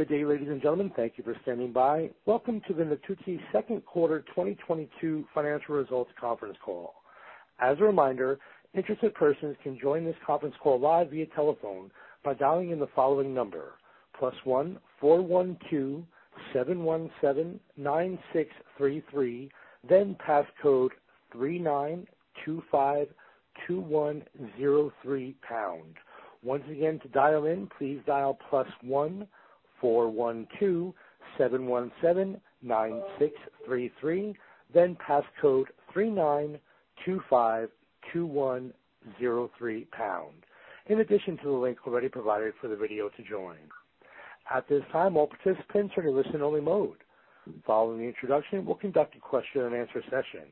Good day, ladies and gentlemen. Thank you for standing by. Welcome to the Natuzzi second quarter 2022 financial results conference call. As a reminder, interested persons can join this conference call live via telephone by dialing in the following number, (+1) 412 717 9633, then passcode 39252103#. Once again, to dial in, please dial (+1) 412 717 9633, then passcode 39252103#. In addition to the link already provided for the video to join. At this time, all participants are in listen-only mode. Following the introduction, we'll conduct a question and answer session.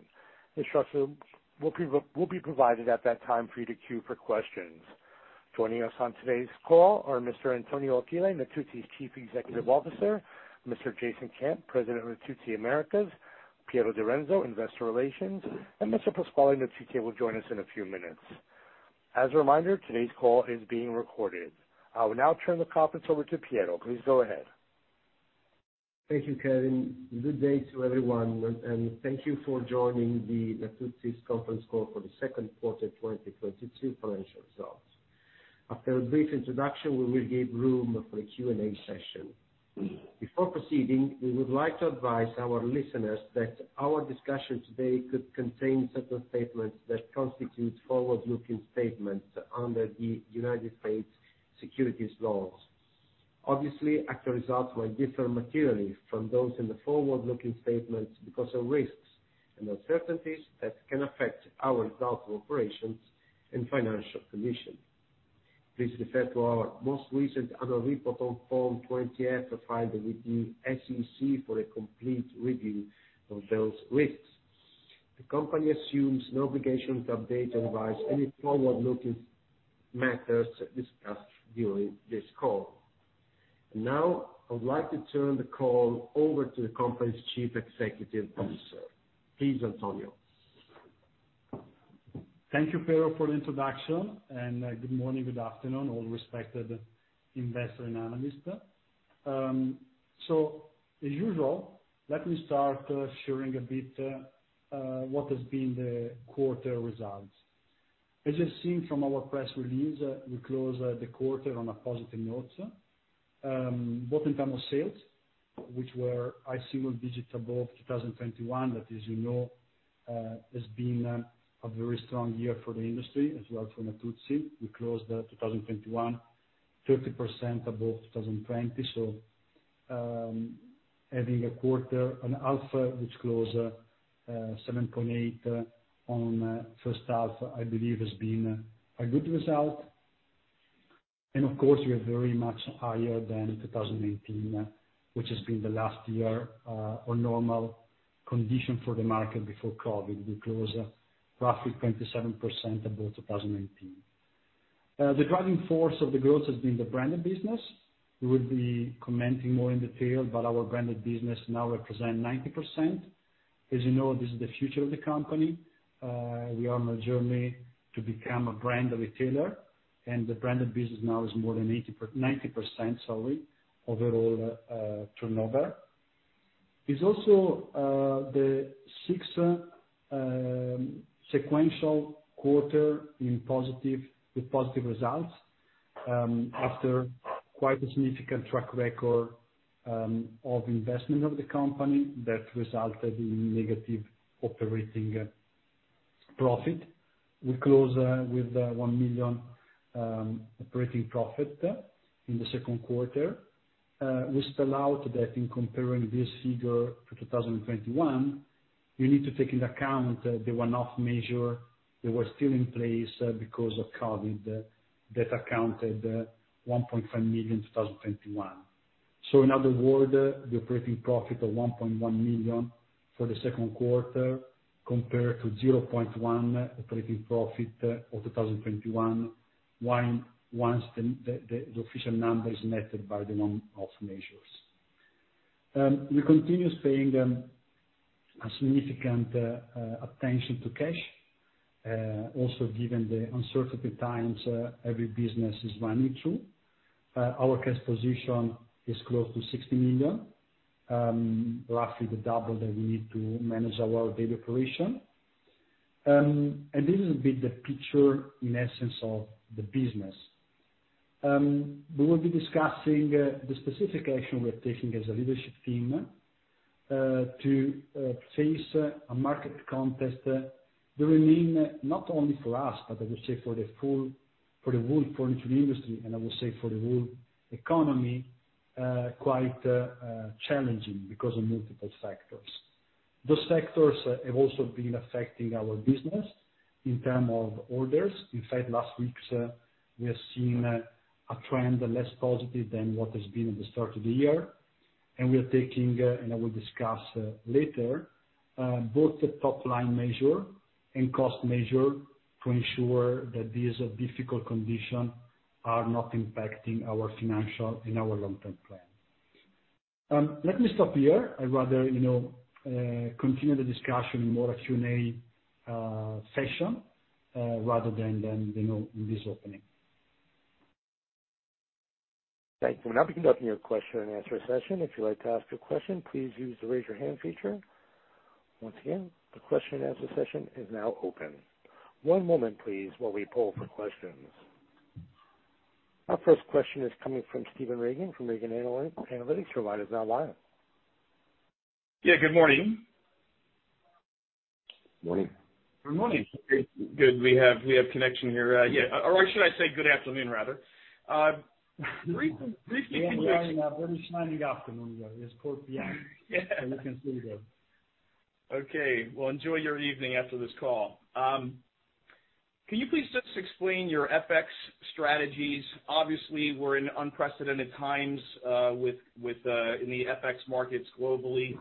Instructions will be provided at that time for you to queue for questions. Joining us on today's call are Mr. Antonio Achille, Natuzzi's Chief Executive Officer, Mr. Jason Camp, President of Natuzzi Americas, Piero Direnzo, Investor Relations, and Mr. Pasquale Natuzzi will join us in a few minutes. As a reminder, today's call is being recorded. I will now turn the conference over to Piero. Please go ahead. Thank you, Kevin. Good day to everyone, and thank you for joining the Natuzzi's conference call for the second quarter 2022 financial results. After a brief introduction, we will give room for a Q&A session. Before proceeding, we would like to advise our listeners that our discussion today could contain certain statements that constitute forward-looking statements under the United States securities laws. Obviously, actual results may differ materially from those in the forward-looking statements because of risks and uncertainties that can affect our results of operations and financial condition. Please refer to our most recent annual report on Form 20-F filed with the SEC for a complete review of those risks. The company assumes no obligation to update or revise any forward-looking matters discussed during this call. Now, I would like to turn the call over to the company's Chief Executive Officer. Please, Antonio. Thank you, Piero, for the introduction, and good morning, good afternoon, all respected investors and analysts. As usual, let me start sharing a bit what has been the quarter results. As you've seen from our press release, we closed the quarter on a positive note, both in terms of sales, which were high single digit above 2021. That as you know has been a very strong year for the industry as well as for Natuzzi. We closed 2021 30% above 2020. Having a quarter and a half which closed 7.8% on first half, I believe has been a good result. Of course, we are very much higher than 2018, which has been the last year of normal condition for the market before COVID. We closed roughly 27% above 2018. The driving force of the growth has been the branded business. We will be commenting more in detail, but our branded business now represent 90%. As you know, this is the future of the company. We are on a journey to become a brand retailer, and the branded business now is more than 90%, sorry, overall turnover. It's also the sixth sequential quarter in positive, with positive results, after quite a significant track record of investment of the company that resulted in negative operating profit. We close with 1 million operating profit in the second quarter. We spell out that in comparing this figure to 2021, you need to take into account the one-off measure that was still in place because of COVID that accounted 1.5 million in 2021. In other words, the operating profit of 1.1 million for the second quarter compared to 0.1 operating profit of 2021 once the official number is netted by the one-off measures. We continue paying a significant attention to cash also given the uncertain times every business is running through. Our cash position is close to 60 million, roughly the double that we need to manage our daily operation. This is a bit the picture in essence of the business. We will be discussing the specific action we're taking as a leadership team to face a market context that remain not only for us, but I would say for the whole furniture industry, and I would say for the whole economy quite challenging because of multiple factors. Those factors have also been affecting our business in terms of orders. In fact, last weeks we are seeing a trend less positive than what has been at the start of the year. We are taking and I will discuss later both the top line measure and cost measure to ensure that these difficult condition are not impacting our financial and our long-term plan. Let me stop here. I'd rather, you know, continue the discussion in more a Q&A session rather than you know in this opening. Thank you. We'll now be conducting your question-and-answer session. If you'd like to ask a question, please use the Raise Your Hand feature. Once again, the question-and-answer session is now open. One moment, please, while we poll for questions. Our first question is coming from Steven Regan from [Regan Analytics]. Your line is now live. Yeah, good morning. Morning. Good morning. It's good we have connection here. Yeah, or should I say good afternoon, rather. Recently we- British morning, afternoon. It's 4:00 P.M. Yeah. As you can see the. Okay. Well, enjoy your evening after this call. Can you please just explain your FX strategies? Obviously, we're in unprecedented times within the FX markets globally.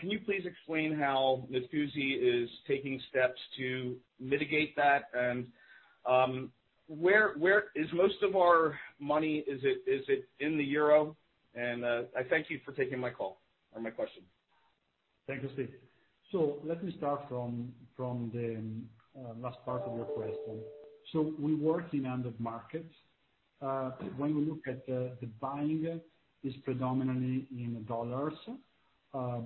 Can you please explain how Natuzzi is taking steps to mitigate that? Where is most of our money, is it in the euro? I thank you for taking my call or my question. Thank you, Steve. Let me start from the last part of your question. We work in end markets. When you look at the buying is predominantly in dollars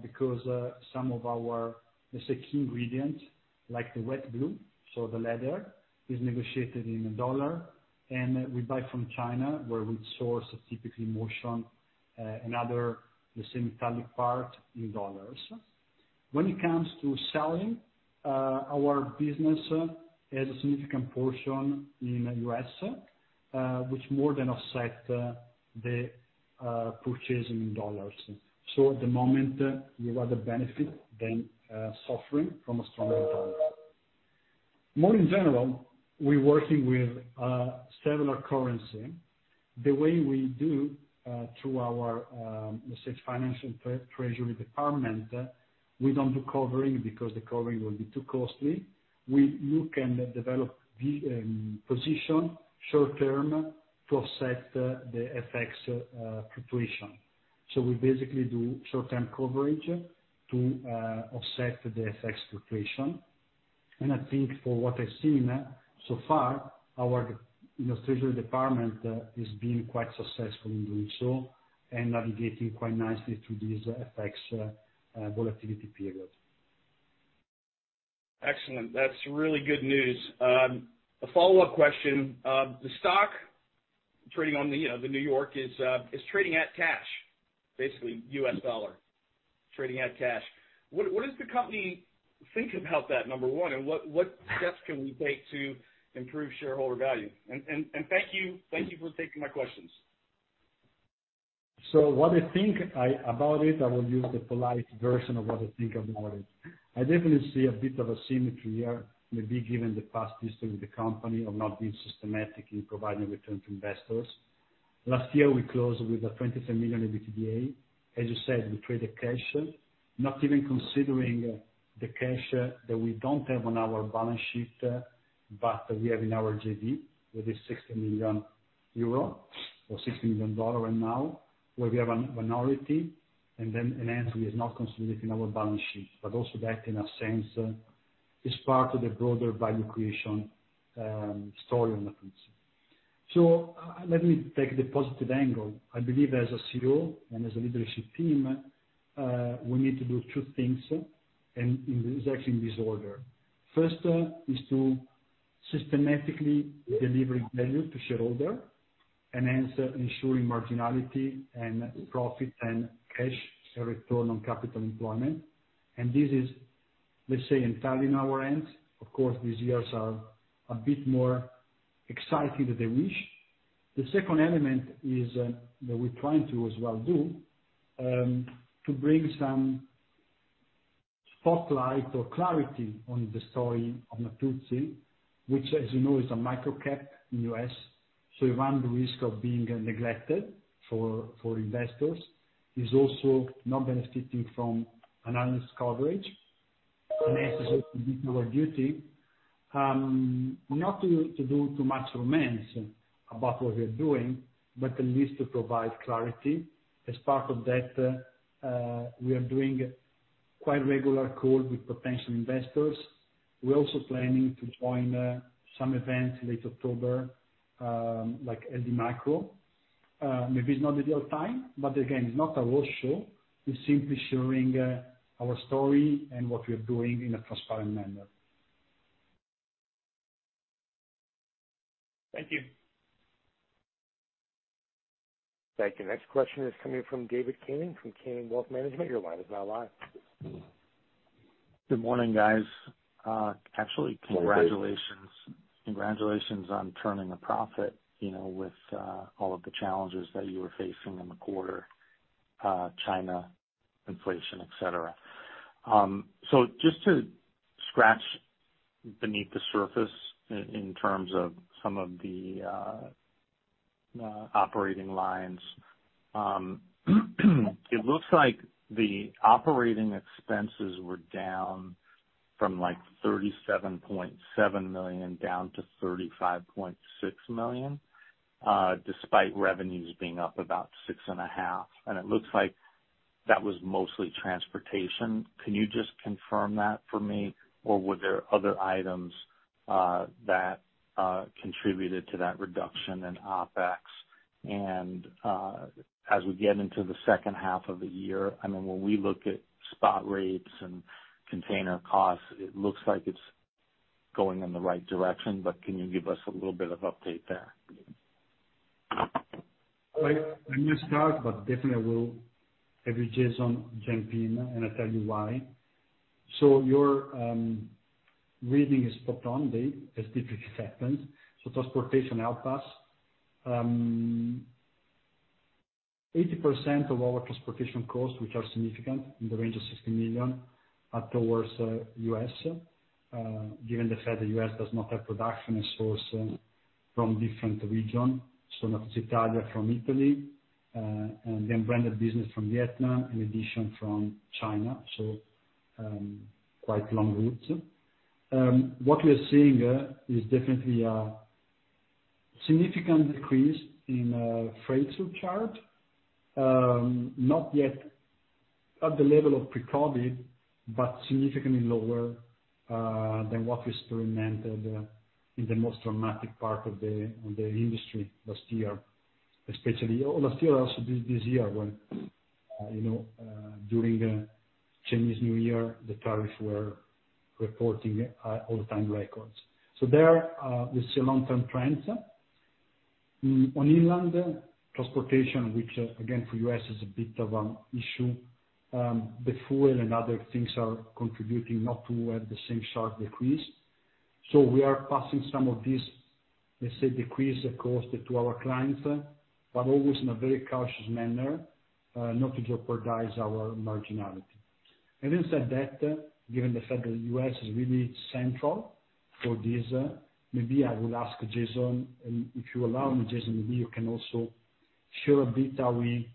because some of our, let's say, key ingredients, like the wet blue, so the leather, is negotiated in dollar. We buy from China where we source typically motion and other, the same metallic part in dollars. When it comes to selling, our business has a significant portion in US which more than offset the purchasing in dollars. At the moment we rather benefit than suffering from a stronger dollar. More in general, we're working with several currency. The way we do through our, let's say, financial treasury department, we don't do covering because the covering will be too costly. We look and develop the position short term to offset the FX fluctuation. We basically do short-term coverage to offset the FX fluctuation. I think from what I've seen so far, our, you know, treasury department is being quite successful in doing so and navigating quite nicely through these FX volatility periods. Excellent. That's really good news. A follow-up question. The stock trading on the New York is trading at cash, basically US dollar, trading at cash. What does the company think about that, number one? What steps can we take to improve shareholder value? Thank you for taking my questions. I will use the polite version of what I think about it. I definitely see a bit of an asymmetry here, maybe given the past history of the company of not being systematic in providing returns to investors. Last year, we closed with 27 million EBITDA. As you said, we traded cash, not even considering the cash that we don't have on our balance sheet, but we have in our JV, with 60 million euro or $60 million right now, where we have a minority, and actually it is not considered in our balance sheet. But also that in a sense is part of the broader value creation story on Natuzzi. Let me take the positive angle. I believe as a CEO and as a leadership team, we need to do two things. It's actually in this order. First is to systematically deliver value to shareholders and ensuring marginality and profit and cash return on capital employed. This is, let's say, entirely in our hands. Of course, these years are a bit more exciting than we wish. The second element is that we're trying to as well do to bring some spotlight or clarity on the story of Natuzzi, which as you know, is a micro-cap in the U.S. We run the risk of being neglected by investors and also not benefiting from analyst coverage. It's our duty not to do too much romance about what we're doing, but at least to provide clarity. As part of that, we are doing quite regular call with potential investors. We're also planning to join some events late October, like LD Micro. Maybe it's not the right time, but again, it's not a roadshow. We're simply sharing our story and what we're doing in a transparent manner. Thank you. Thank you. Next question is coming from David Kanen from Kanen Wealth Management. Your line is now live. Good morning, guys. Good morning, David. Congratulations on turning a profit, you know, with all of the challenges that you were facing in the quarter, China, inflation, et cetera. Just to scratch beneath the surface in terms of some of the operating lines, it looks like the operating expenses were down from like 37.7 million down to 35.6 million, despite revenues being up about 6.5%, and it looks like that was mostly transportation. Can you just confirm that for me? Or were there other items that contributed to that reduction in OpEx? As we get into the second half of the year, I mean, when we look at spot rates and container costs, it looks like it's going in the right direction, but can you give us a little bit of update there? I may start, but definitely I will have Jason jump in, and I'll tell you why. Your reading is spot on, Dave, as typically happens. Transportation helped us. 80% of our transportation costs, which are significant, in the range of 60 million, are towards US. Given the fact the US does not have production and sourced from different region, sourced from Italy, and then branded business from Vietnam, in addition from China. Quite long routes. What we're seeing is definitely a significant decrease in freight surcharge. Not yet at the level of pre-COVID, but significantly lower than what we experienced in the most dramatic part of the industry last year, especially last year also this year when, you know, during the Chinese New Year, the tariffs were reaching all-time records. There we see a long-term trend on inland transportation, which again, for U.S. is a bit of an issue. The fuel and other things are contributing not to the same sharp decrease. We are passing some of these, let's say, cost decreases to our clients, but always in a very cautious manner, not to jeopardize our marginality. Having said that, given the fact that U.S. is really central for this, maybe I will ask Jason, and if you allow me, Jason, maybe you can also share a bit how we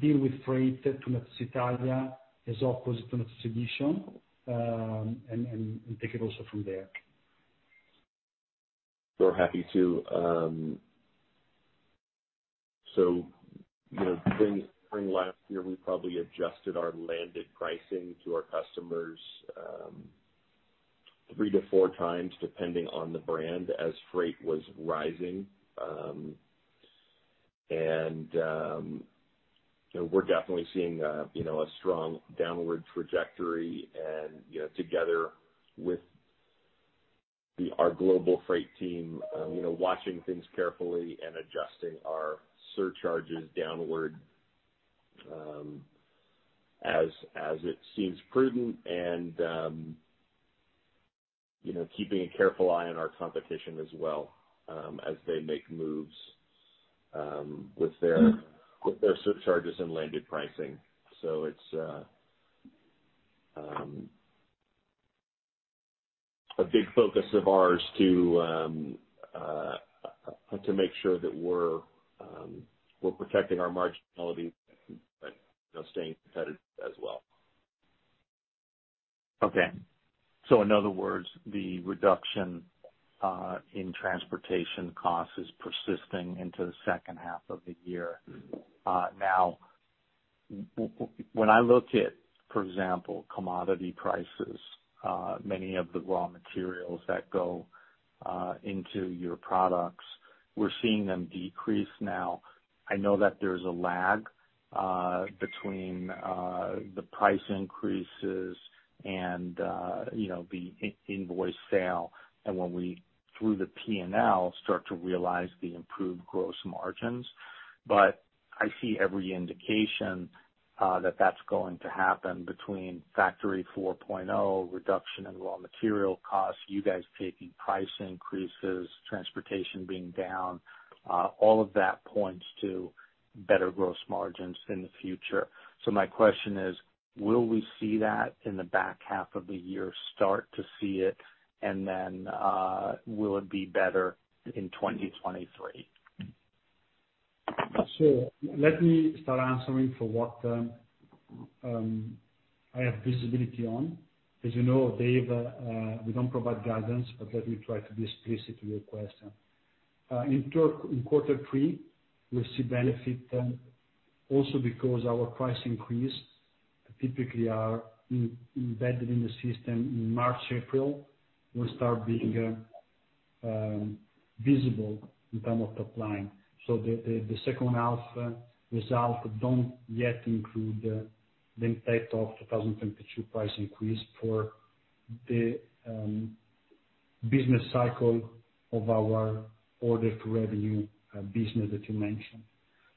deal with freight to Natuzzi Italia as opposite to Natuzzi Edition, and take it also from there. Sure. Happy to. You know, during spring last year, we probably adjusted our landed pricing to our customers, three to four times, depending on the brand, as freight was rising. You know, we're definitely seeing, you know, a strong downward trajectory and, you know, together with our global freight team, you know, watching things carefully and adjusting our surcharges downward, as it seems prudent and, you know, keeping a careful eye on our competition as well, as they make moves with their surcharges and landed pricing. It's a big focus of ours to make sure that we're protecting our marginality but, you know, staying competitive as well. Okay. In other words, the reduction in transportation costs is persisting into the second half of the year. Now when I look at, for example, commodity prices, many of the raw materials that go into your products, we're seeing them decrease now. I know that there's a lag between the price increases and, you know, the invoice sale and when we, through the P&L, start to realize the improved gross margins. But I see every indication that that's going to happen between Factory 4.0, reduction in raw material costs, you guys taking price increases, transportation being down, all of that points to better gross margins in the future. My question is, will we see that in the back half of the year start to see it, and then, will it be better in 2023? Let me start answering for what I have visibility on. As you know, Dave, we don't provide guidance, but let me try to be explicit to your question. In quarter three, we see benefit, also because our price increase typically are embedded in the system in March. April will start being visible in terms of top line. The second half results don't yet include the impact of 2022 price increase for the business cycle of our order to revenue business that you mentioned.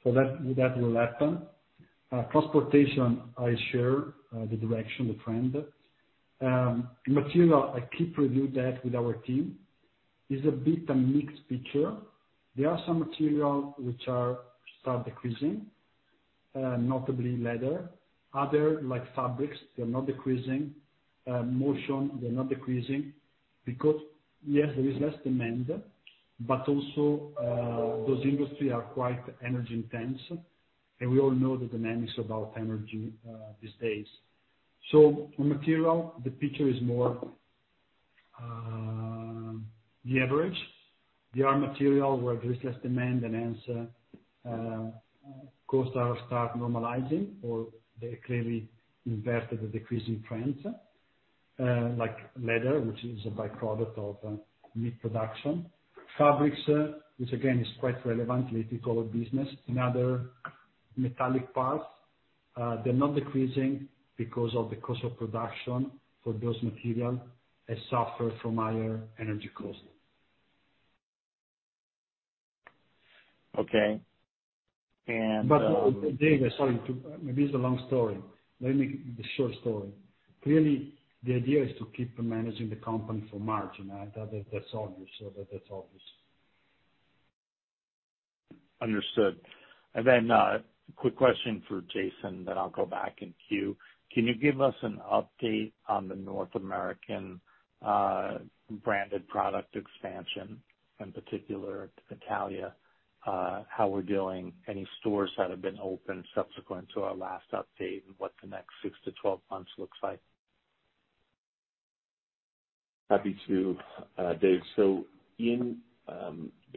That will happen. Transportation, I share the direction, the trend. Material, I keep reviewing that with our team. It's a bit of a mixed picture. There are some materials which are starting to decrease, notably leather. Others, like fabrics, they're not decreasing. Most of them, they're not decreasing. Because yes, there is less demand, but also, those industries are quite energy intensive. We all know the dynamics about energy these days. For materials, the picture is more average. There are materials where there is less demand and hence, costs are starting normalizing or they clearly inverted the decreasing trends, like leather, which is a by-product of meat production. Fabrics, which again is quite relevant to ethical business and other metallic parts, they're not decreasing because of the cost of production for those materials has suffered from higher energy costs. Okay. Dave, maybe it's a long story. The short story. Clearly, the idea is to keep managing the company for margin. That's obvious. Understood. Then, quick question for Jason, then I'll go back in queue. Can you give us an update on the North American branded product expansion, in particular Italia, how we're doing, any stores that have been opened subsequent to our last update and what the next six to 12 months looks like? Happy to, Dave.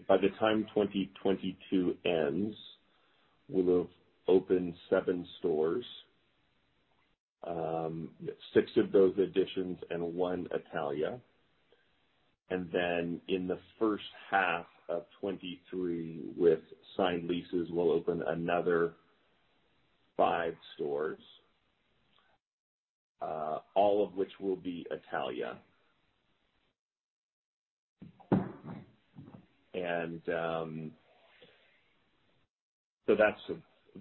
By the time 2022 ends, we'll have opened seven stores, six of those are Editions and one Italia. Then in the first half of 2023 with signed leases, we'll open another five stores, all of which will be Italia.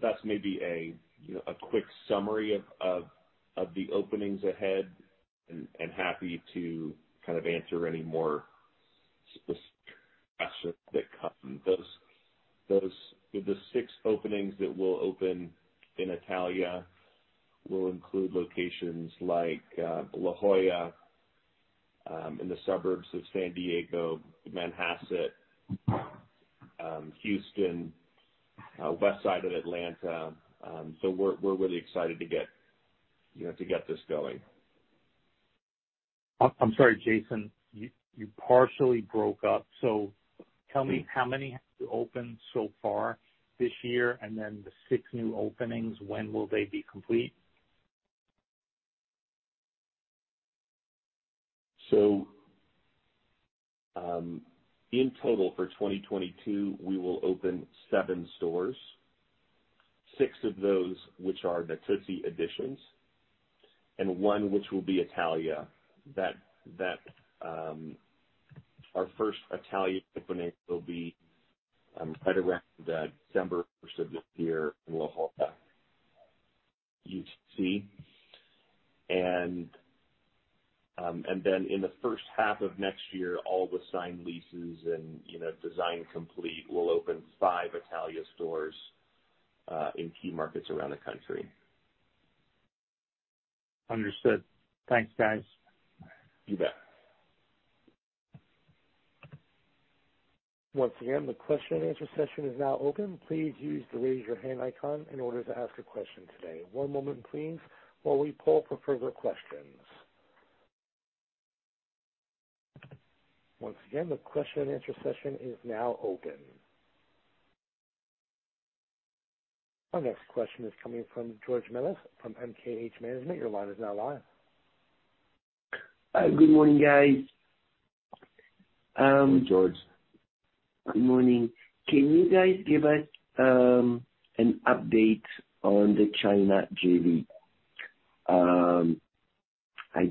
That's maybe a, you know, a quick summary of the openings ahead and happy to kind of answer any more specific questions that come. With the six openings that we'll open in Italia will include locations like La Jolla, in the suburbs of San Diego, Manhasset, Houston, west side of Atlanta, we're really excited to get, you know, to get this going. I'm sorry, Jason, you partially broke up. Tell me how many have you opened so far this year, and then the six new openings, when will they be complete? In total for 2022, we will open seven stores. Six of those which are Natuzzi Editions, and one which will be Italia. That our first Italia opening will be right around December first of this year in La Jolla, CA. Then in the first half of next year, all the signed leases and, you know, design complete, we'll open five Italia stores in key markets around the country. Understood. Thanks, guys. You bet. Once again, the question and answer session is now open. Please use the raise your hand icon in order to ask a question today. One moment, please, while we pull for further questions. Once again, the question and answer session is now open. Our next question is coming from George Melas from MKH Management. Your line is now live. Good morning, guys. George. Good morning. Can you guys give us an update on the China JV? I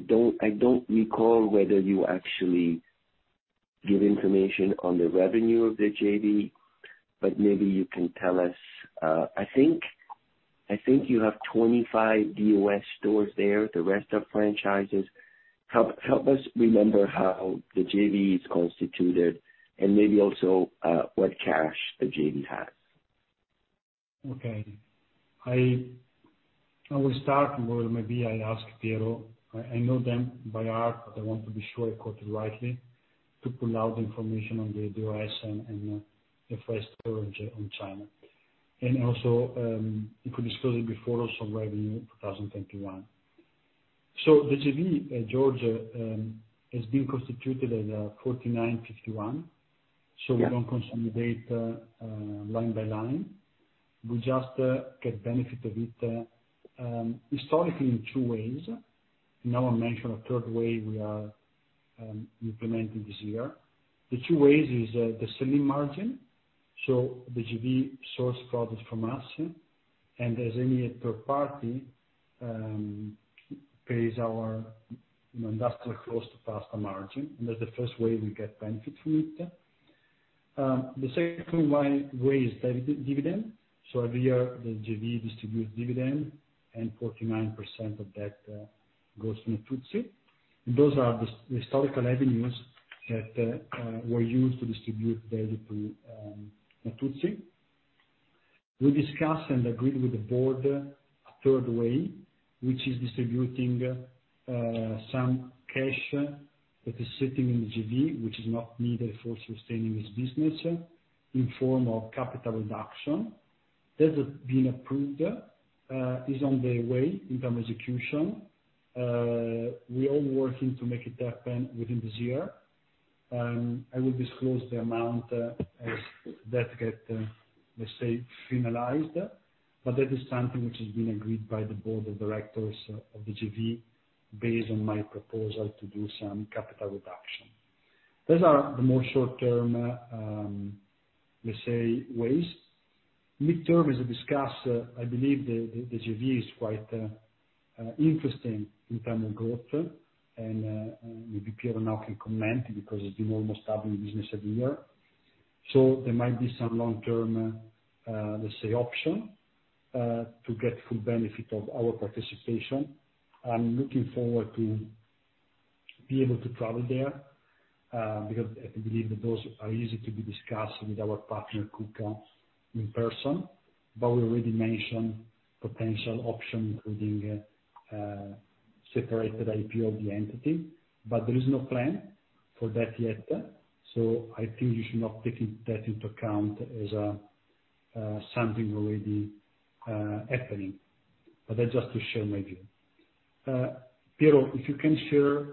don't recall whether you actually give information on the revenue of the JV, but maybe you can tell us. I think you have 25 FOS stores there, the rest are franchises. Help us remember how the JV is constituted and maybe also what cash the JV has. Okay. I will start. Well, maybe I'll ask Piero. I know them by heart, but I want to be sure I quote it rightly to pull out the information on the FOS and the first store in China. You could discuss it before also revenue 2021. The JV, George, has been constituted as 49/51. Yeah. We don't consolidate line by line. We just get benefit of it historically in two ways. I'll mention a third way we are implementing this year. The two ways is the selling margin, so the JV sources product from us, and resells to any third party pays our industrial cost plus the margin. That's the first way we get benefit from it. The second way is dividend. Every year the JV distributes dividend, and 49% of that goes to Natuzzi. Those are the historical avenues that were used to distribute value to Natuzzi. We discussed and agreed with the board a third way, which is distributing some cash that is sitting in the JV, which is not needed for sustaining this business, in form of capital reduction. That has been approved, is on the way in terms of execution. We are working to make it happen within this year. I will disclose the amount, as that gets, let's say finalized. That is something which has been agreed by the board of directors of the JV based on my proposal to do some capital reduction. Those are the more short term, let's say, ways. Mid term, as we discuss, I believe the JV is quite interesting in terms of growth and maybe Piero now can comment because he's been almost doubling the business every year. There might be some long term, let's say option to get full benefit of our participation. I'm looking forward to be able to travel there, because I believe that those are easy to be discussed with our partner, KUKA, in person. We already mentioned potential option, including, separated IPO of the entity. There is no plan for that yet, so I think you should not take that into account as, something already happening. That's just to share my view. Piero, if you can share,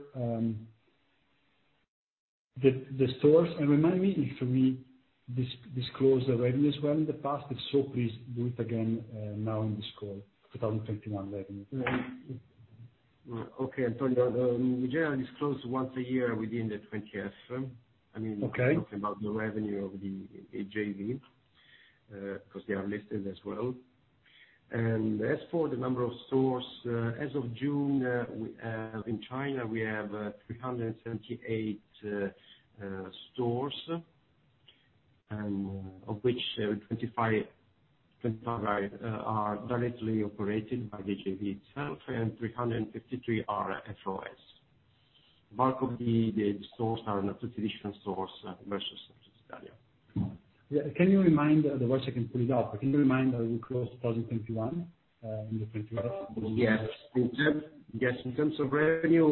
the stores and remind me if we disclosed the revenues well in the past. If so, please do it again, now in this call, 2021 revenue. Okay, Antonio. We generally disclose once a year within the 20-F. Okay. I mean, talking about the revenue of the JV, 'cause they are listed as well. As for the number of stores, as of June, we have in China 378 stores, of which 25 are directly operated by the JV itself, and 353 are FOS. Majority of the stores are in traditional stores versus Yeah. Can you remind, otherwise I can pull it up. Can you remind how we closed 2021, in the 2021 Yes. In terms of revenue,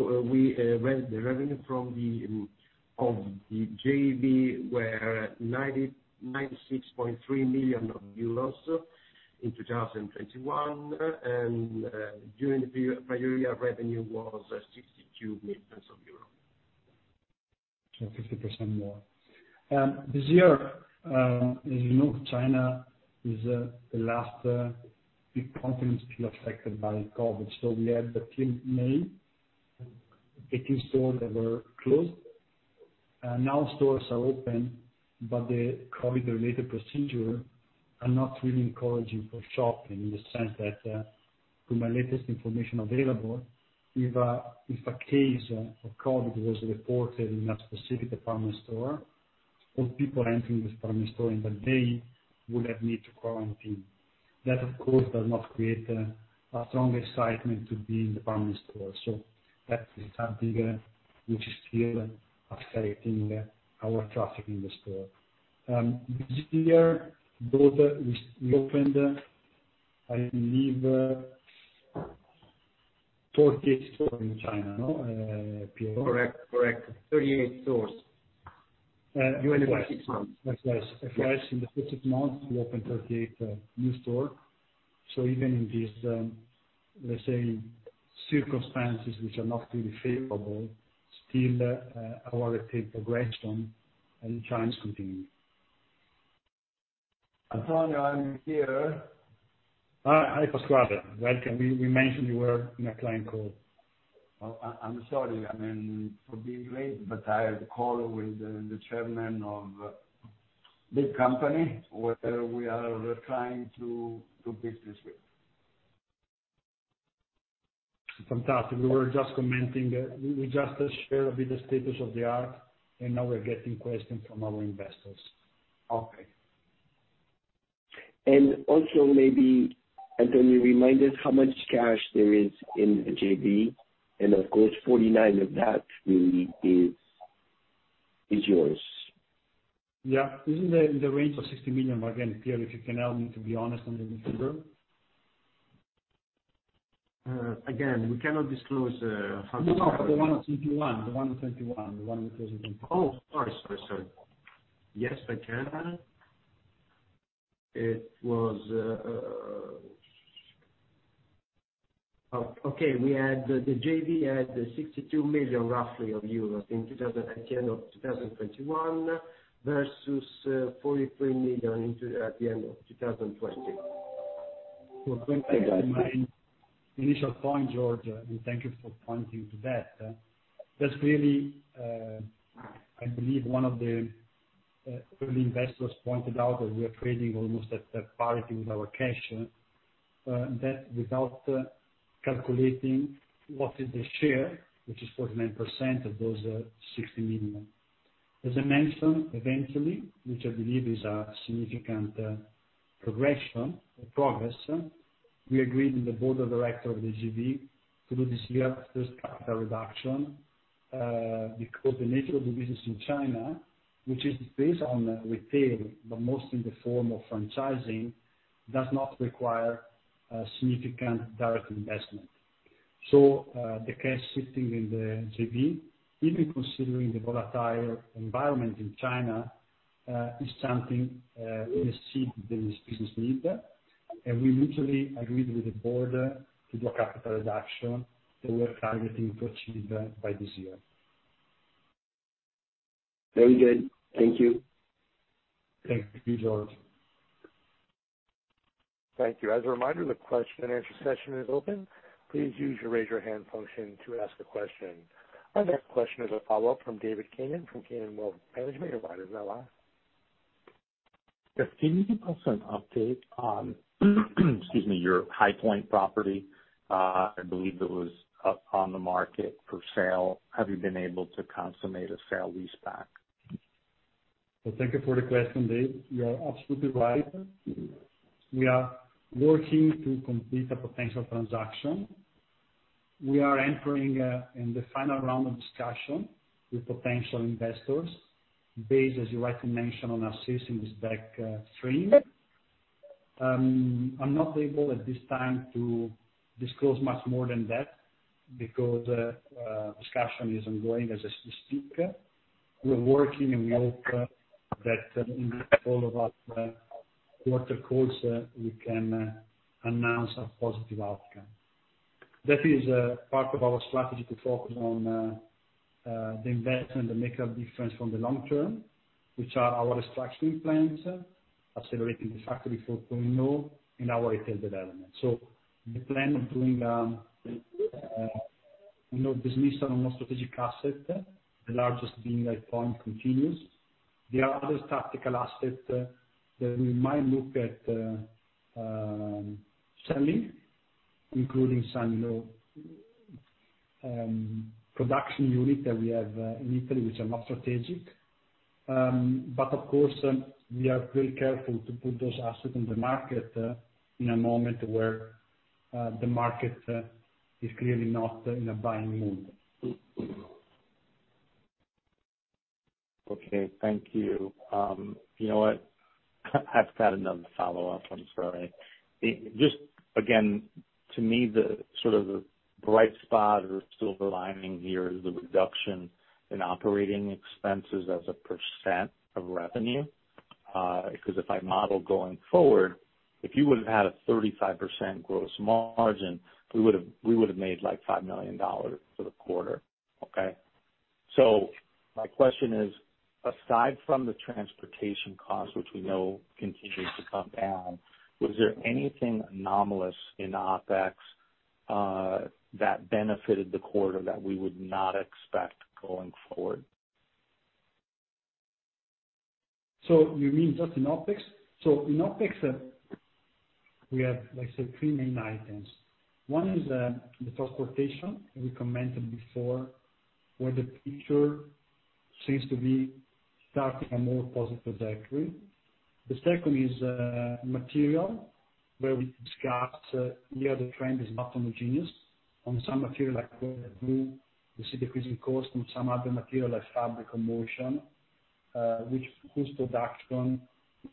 the revenue from the JV was EUR 96.3 million in 2021. During the period revenue was EUR 62 million. 50% more. This year, as you know, China is the last big country still affected by COVID. We had until May, 15 stores that were closed. Now stores are open, but the COVID related procedures are not really encouraging for shopping in the sense that, from my latest information available, if a case of COVID was reported in a specific department store, all people entering this department store in the day would need to quarantine. That, of course, does not create a strong excitement to be in department store. That is something which is still affecting our traffic in the store. This year, we have opened, I believe, 48 stores in China, no, Piero? Correct. 38 stores. Vice versa. In the first six months, we opened 38 new stores. Even in these, let's say circumstances which are not really favorable, still, our retail progression in China is continuing. Antonio, I'm here. Hi, Pasquale. Welcome. We mentioned you were in a client call. Oh, I'm sorry. I mean, for being late, but I had a call with the chairman of a big company where we are trying to do business with. Fantastic. We were just commenting. We just shared the status of the art and now we're getting questions from our investors. Okay. Also maybe, Antonio, remind us how much cash there is in the JV and of course 49 of that really is yours. Yeah. This is in the range of 60 million. Again, Piero, if you can help me to be honest on the number. Again, we cannot disclose how much cash. No. For the one in 2021 because Oh, sorry. Yes, I can. It was. Oh, okay. We had the JV had roughly 62 million at the end of 2021 versus 43 million at the end of 2020. Going back to my initial point, George, and thank you for pointing to that. That's really, I believe one of the early investors pointed out that we are trading almost at parity with our cash, that without calculating what is the share, which is 49% of those 60 million. As I mentioned, eventually, which I believe is a significant progress, we agreed in the board of directors of the JV to do this year first capital reduction. Because the nature of the business in China, which is based on retail, but mostly in the form of franchising, does not require significant direct investment. The cash sitting in the JV, even considering the volatile environment in China, is something we see the business need. We mutually agreed with the board to do a capital reduction that we're targeting to achieve by this year. Very good. Thank you. Thank you, George. Thank you. As a reminder, the question and answer session is open. Please use your raise hand function to ask a question. Our next question is a follow-up from David Kanen from Kanen Wealth Management. Your line is now open. Yes. Can you give us an update on, excuse me, your High Point property? I believe it was up on the market for sale. Have you been able to consummate a sale lease back? Thank you for the question, Dave. You are absolutely right. We are working to complete a potential transaction. We are entering in the final round of discussion with potential investors based, as you rightly mentioned, on assessing this cash stream. I'm not able at this time to disclose much more than that because discussion is ongoing as I speak. We're working and hope that in all of our quarter calls we can announce a positive outcome. That is part of our strategy to focus on the investment that make a difference from the long term, which are our restructuring plans, accelerating the Factory 4.0 and our retail development. The plan of doing disposal of non-strategic asset, the largest being High Point, continues. There are other tactical assets that we might look at selling, including some, you know, production unit that we have in Italy, which are not strategic. Of course we are very careful to put those assets in the market in a moment where the market is clearly not in a buying mood. Okay. Thank you. You know what? I've got another follow-up, I'm sorry. Just again, to me, the sort of the bright spot or silver lining here is the reduction in operating expenses as a % of revenue. Because if I model going forward, if you would've had a 35% gross margin, we would've made like $5 million for the quarter. Okay? My question is, aside from the transportation cost, which we know continues to come down, was there anything anomalous in OpEx that benefited the quarter that we would not expect going forward? You mean just in OpEx? In OpEx, we have, like I said, three main items. One is the transportation we commented before, where the future seems to be starting a more positive trajectory. The second is material where we discussed here, the trend is not homogeneous on some material like wet blue, you see decreasing cost on some other material like fabric or motion, which production,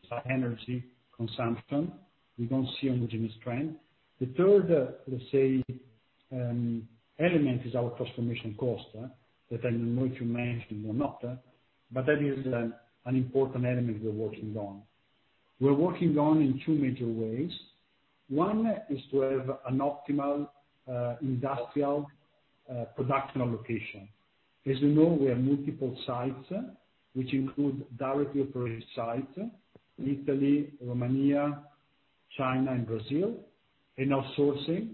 some energy consumption, we don't see homogeneous trend. The third, let's say, element, is our transformation cost that I know you mentioned or not, but that is an important element we're working on. We're working on in two major ways. One is to have an optimal industrial production location. As you know, we have multiple sites, which include directly operated sites, Italy, Romania, China and Brazil. In our sourcing,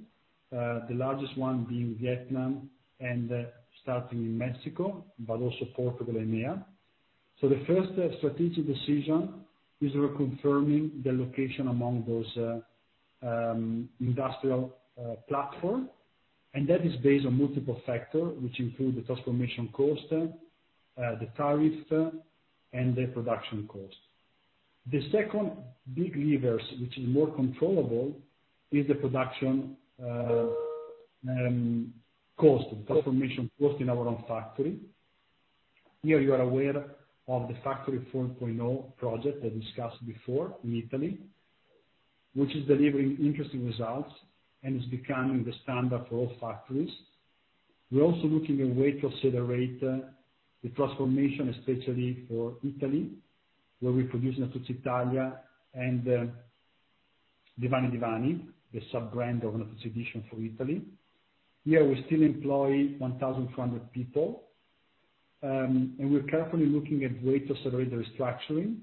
the largest one being Vietnam and, starting in Mexico, but also Portugal and India. The first strategic decision is reconfirming the location among those, industrial platform. That is based on multiple factor, which include the transformation cost, the tariff, and the production cost. The second big levers, which is more controllable, is the production cost. Transformation cost in our own factory. Here you are aware of the Factory 4.0 project that discussed before in Italy, which is delivering interesting results and is becoming the standard for all factories. We're also looking at way to accelerate, the transformation, especially for Italy, where we produce Natuzzi Italia and, Divani & Divani, the sub-brand of Natuzzi Editions for Italy. Here we still employ 1,400 people, and we're carefully looking at ways to accelerate the restructuring,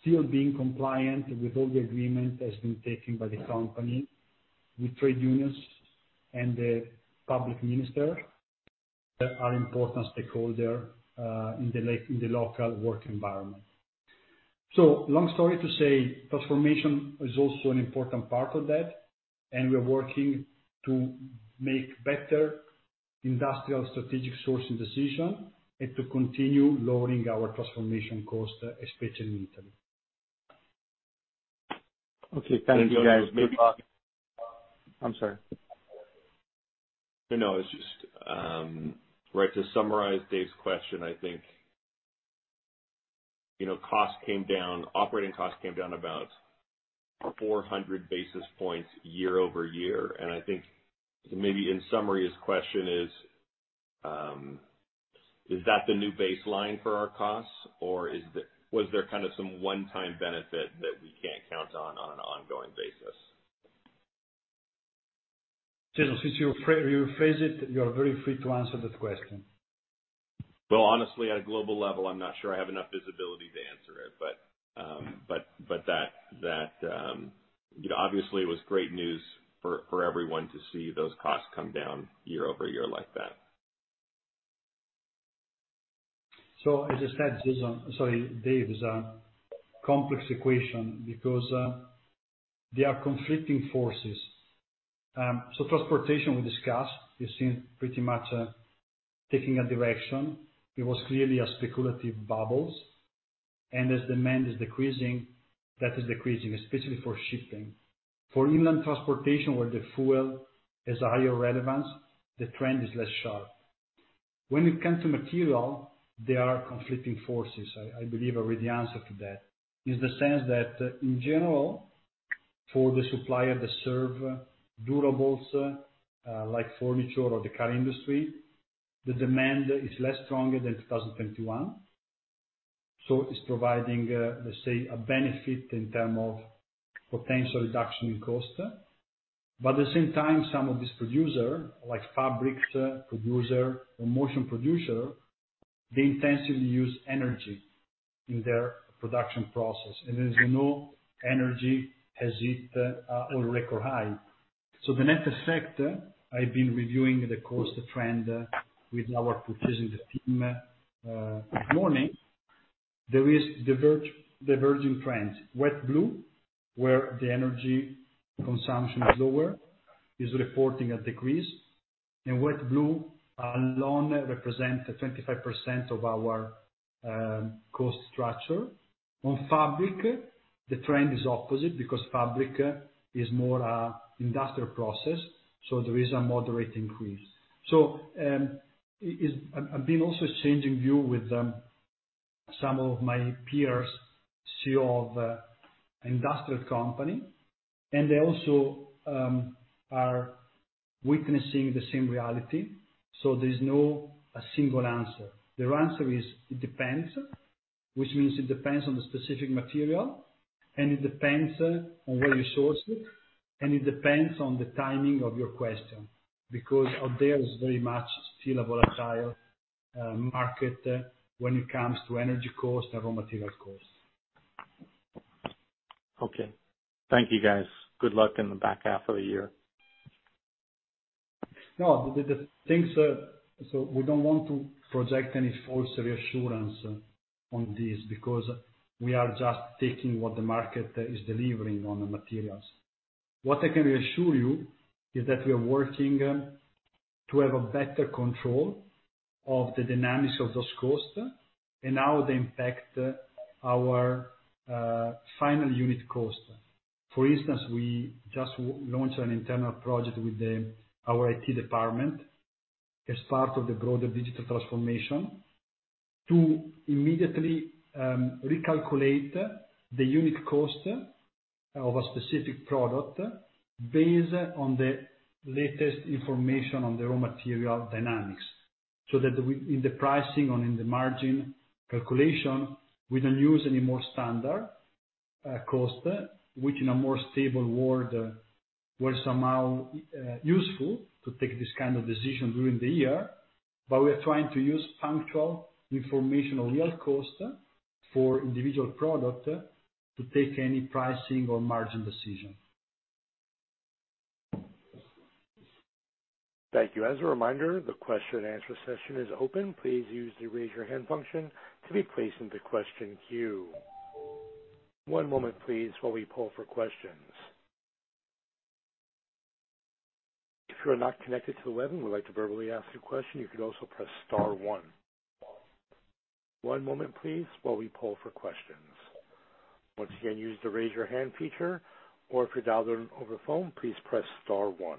still being compliant with all the agreements that's been taken by the company, with trade unions and the public minister that are important stakeholders, in the local work environment. Long story to say, transformation is also an important part of that, and we're working to make better industrial strategic sourcing decisions and to continue lowering our transformation cost, especially in Italy. Okay. Thank you guys. And then maybe- I'm sorry. No, it's just right to summarize Dave's question, I think, you know, cost came down, operating costs came down about 400 basis points year-over-year. I think maybe in summary, his question is that the new baseline for our costs or was there kind of some one-time benefit that we can't count on on an ongoing basis? Since you phrase it, you are very free to answer that question. Well, honestly, at a global level, I'm not sure I have enough visibility to answer it, but that, you know, obviously it was great news for everyone to see those costs come down year-over-year like that. As I said, Jason, sorry, Dave, it's a complex equation because there are conflicting forces. Transportation we discussed, you've seen pretty much taking a direction. It was clearly a speculative bubble. As demand is decreasing, that is decreasing, especially for shipping. For inland transportation where the fuel has higher relevance, the trend is less sharp. When it comes to materials, there are conflicting forces. I believe that's the answer to that. In the sense that in general, for the suppliers to serve durables like furniture or the car industry, the demand is less strong than 2021. It's providing, let's say, a benefit in terms of potential reduction in cost. At the same time, some of these producers, like fabric producers or motion producers, intensively use energy in their production process. As you know, energy has hit a record high. The net effect, I've been reviewing the cost trend with our purchasing team this morning. There is diverging trends. Wet blue, where the energy consumption is lower, is reporting a decrease. In wet blue alone represent 25% of our cost structure. On fabric, the trend is opposite because fabric is more industrial process, so there is a moderate increase. I've been also exchanging view with some of my peers, CEO of industrial company, and they also are witnessing the same reality. There's no a single answer. The answer is it depends, which means it depends on the specific material, and it depends on where you source it, and it depends on the timing of your question. Because out there is very much still a volatile market when it comes to energy cost and raw material cost. Okay. Thank you, guys. Good luck in the back half of the year. No, the thing is, we don't want to project any false reassurance on this because we are just taking what the market is delivering on the materials. What I can reassure you is that we are working to have a better control of the dynamics of those costs and how they impact our final unit cost. For instance, we just launched an internal project with our IT department as part of the broader digital transformation to immediately recalculate the unit cost of a specific product based on the latest information on the raw material dynamics. So that in the pricing or in the margin calculation, we don't use any more standard cost, which in a more stable world was somehow useful to take this kind of decision during the year. We are trying to use functional information or real cost for individual product to take any pricing or margin decision. Thank you. As a reminder, the question and answer session is open. Please use the Raise Your Hand function to be placed into the question queue. One moment, please, while we poll for questions. If you are not connected to the web and would like to verbally ask a question, you could also press star one. One moment, please, while we poll for questions. Once again, use the Raise Your Hand feature, or if you're dialed in over the phone, please press star one.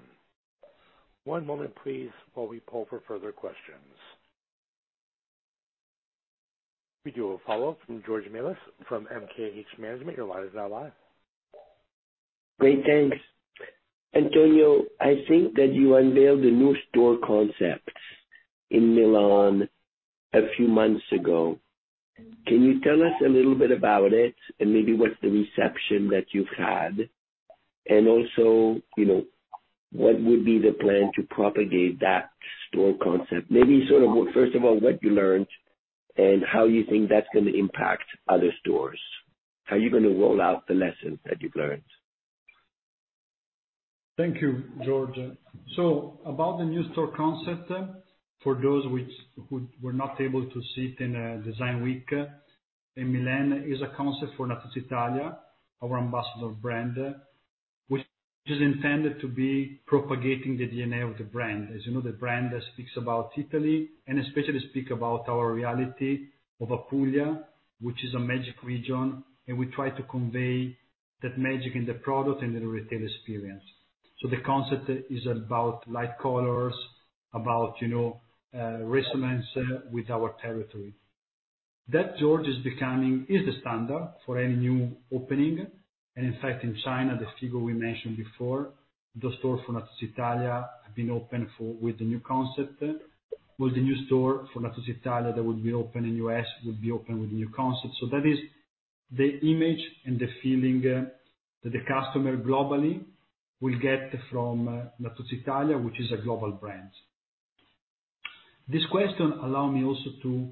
One moment, please, while we poll for further questions. We do a follow-up from George Melas from MKH Management. Your line is now live. Great. Thanks. Antonio Achille, I think that you unveiled a new store concept in Milan a few months ago. Can you tell us a little bit about it and maybe what's the reception that you've had? Also, you know, what would be the plan to propagate that store concept? Maybe sort of first of all, what you learned and how you think that's gonna impact other stores. How are you gonna roll out the lessons that you've learned? Thank you, George. About the new store concept, for those who were not able to sit in Design Week in Milan, is a concept for Italia, our ambassador brand. Which is intended to be propagating the DNA of the brand. As you know, the brand that speaks about Italy, and especially speak about our reality of Apulia, which is a magic region, and we try to convey that magic in the product and the retail experience. The concept is about light colors, about, you know, resonance with our territory. That, George, is the standard for any new opening. In fact, in China, the stores we mentioned before, the stores for Natuzzi Italia have been opened with the new concept. The new store for Natuzzi Italia that would be open in U.S., would be open with new concept. That is the image and the feeling that the customer globally will get from Natuzzi Italia, which is a global brand. This question allow me also to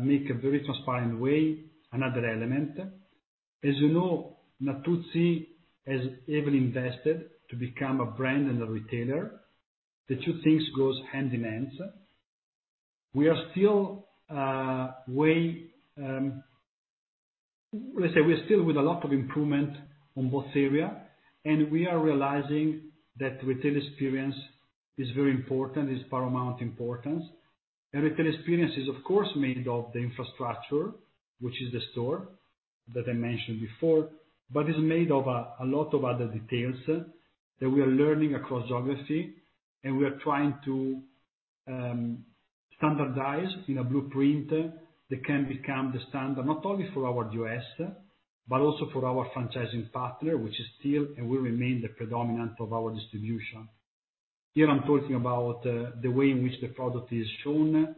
make a very transparent way, another element. As you know, Natuzzi has heavily invested to become a brand and a retailer. The two things goes hand in hand. We are still. Let's say we're still with a lot of improvement on both area, and we are realizing that retail experience is very important, is paramount importance. Retail experience is of course made of the infrastructure, which is the store that I mentioned before, but is made of a lot of other details that we are learning across geography, and we are trying to standardize in a blueprint that can become the standard, not only for our U.S., but also for our franchising partner, which is still and will remain the predominant of our distribution. Here I'm talking about the way in which the product is shown,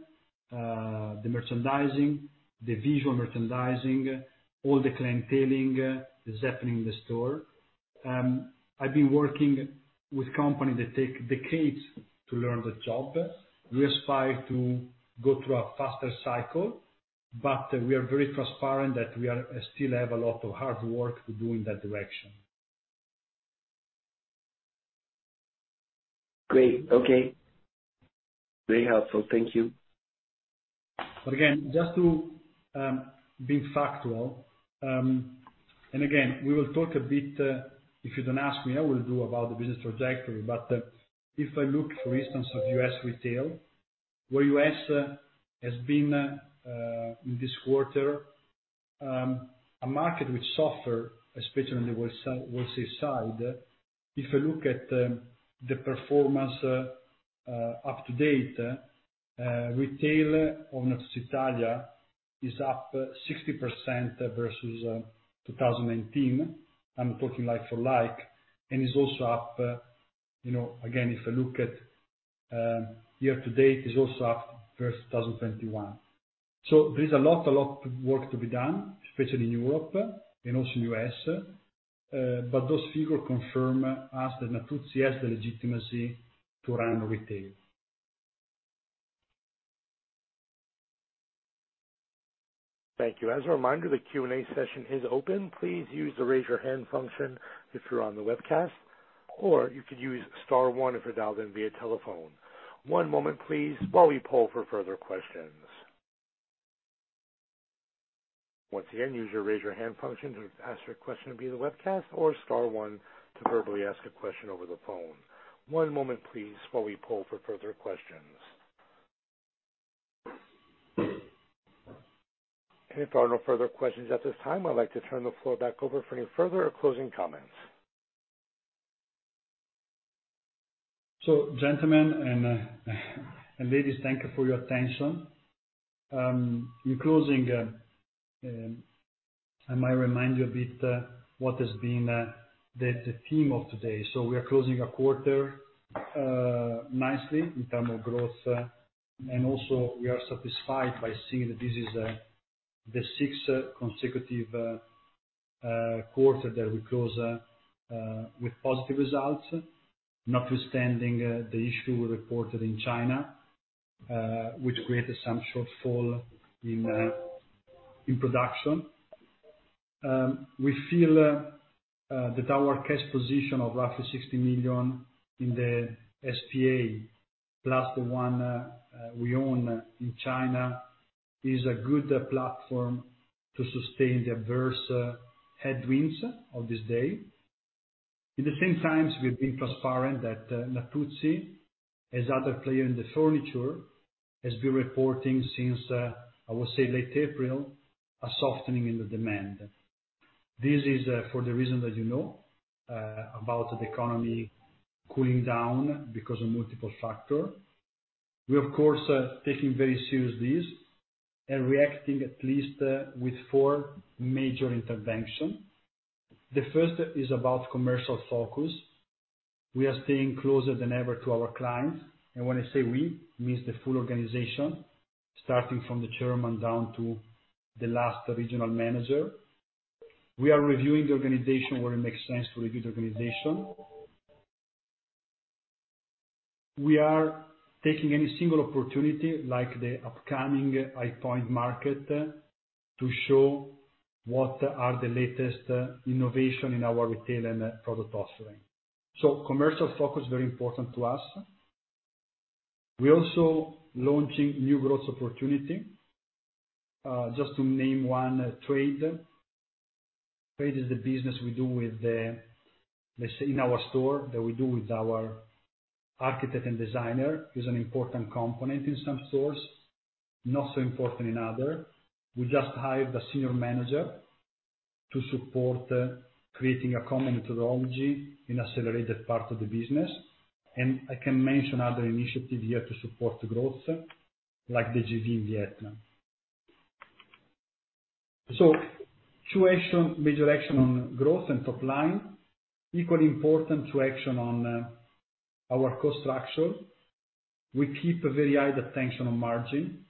the merchandising, the visual merchandising, all the clienteling that's happening in the store. I've been working with company that take decades to learn the job. We aspire to go through a faster cycle, but we are very transparent that we still have a lot of hard work to do in that direction. Great. Okay. Very helpful. Thank you. Again, just to be factual, and again, we will talk a bit, if you don't ask me, I will do about the business trajectory. If I look, for instance, at U.S. retail, where U.S. has been, in this quarter, a market which suffer, especially on the wholesale side. If I look at the performance up to date, retail of Natuzzi Italia is up 60% versus 2018. I'm talking like for like, and is also up, you know, again, if I look at year to date, is also up versus 2021. There's a lot of work to be done, especially in Europe and also in U.S. Those figure confirm us that Natuzzi has the legitimacy to run retail. Thank you. As a reminder, the Q&A session is open. Please use the Raise Your Hand function if you're on the webcast, or you could use star one if you're dialed in via telephone. One moment please while we poll for further questions. Once again, use your Raise Your Hand function to ask your question via the webcast or star one to verbally ask a question over the phone. One moment please while we poll for further questions. If there are no further questions at this time, I'd like to turn the floor back over for any further closing comments. Gentlemen and ladies, thank you for your attention. In closing, I might remind you a bit what has been the theme of today. We are closing a quarter nicely in terms of growth. We are satisfied by seeing that this is the sixth consecutive quarter that we close with positive results, notwithstanding the issue we reported in China, which created some shortfall in production. We feel that our cash position of roughly 60 million in the S.p.A. plus the one we own in China is a good platform to sustain the adverse headwinds of this day. At the same time, we're being transparent that Natuzzi as other player in the furniture has been reporting since I would say late April a softening in the demand. This is for the reason that you know about the economy cooling down because of multiple factors. We, of course, are taking this very seriously and reacting at least with four major interventions. The first is about commercial focus. We are staying closer than ever to our clients. When I say we, it means the full organization, starting from the chairman down to the last regional manager. We are reviewing the organization where it makes sense. We are taking any single opportunity like the upcoming High Point market to show what are the latest innovations in our retail and product offering. Commercial focus is very important to us. We are also launching new growth opportunities, just to name one, trade. Trade is the business we do with the Let's say in our store that we do with our architect and designer, is an important component in some stores, not so important in other. We just hired a senior manager to support creating a common methodology in accelerated part of the business. I can mention other initiative here to support the growth, like the JV in Vietnam. Two action, major action on growth and top line. Equally important to action on our cost structure. We keep a very high attention on margin.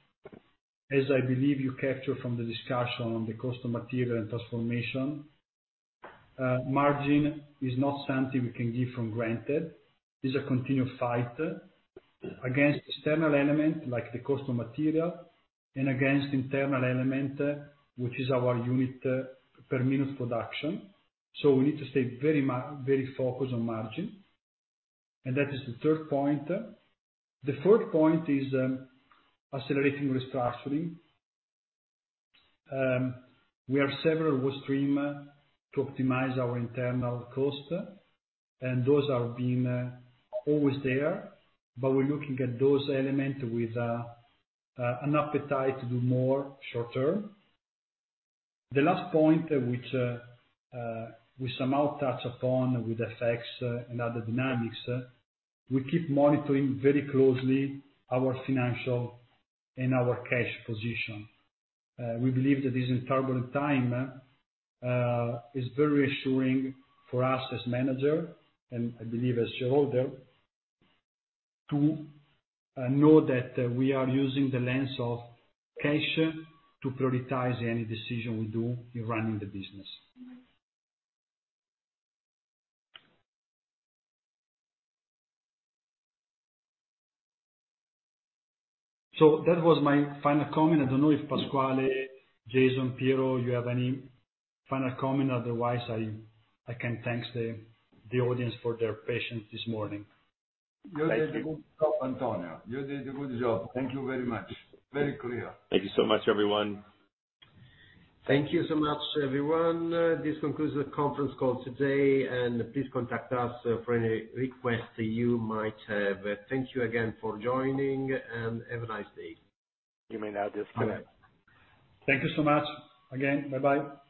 As I believe you capture from the discussion on the cost of material and transformation, margin is not something we can take for granted. It's a continued fight against external element like the cost of material and against internal element, which is our unit per minute production. We need to stay very focused on margin. That is the third point. The fourth point is accelerating restructuring. We have several work stream to optimize our internal cost, and those are being always there, but we're looking at those element with an appetite to do more short-term. The last point which we somehow touch upon with FX and other dynamics, we keep monitoring very closely our financial and our cash position. We believe that this is turbulent time is very assuring for us as manager, and I believe as shareholder, to know that we are using the lens of cash to prioritize any decision we do in running the business. That was my final comment. I don't know if Pasquale, Jason, Piero, you have any final comment. Otherwise, I can thank the audience for their patience this morning. You did a good job, Antonio. You did a good job. Thank you very much. Very clear. Thank you so much, everyone. Thank you so much, everyone. This concludes the conference call today, and please contact us for any requests that you might have. Thank you again for joining, and have a nice day. You may now disconnect. Thank you so much again. Bye-bye.